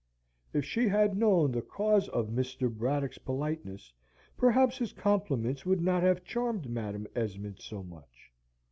If she had known the cause of Mr. Braddock's politeness, perhaps his compliments would not have charmed Madam Esmond so much.